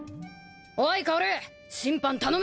おい薫審判頼むぜ。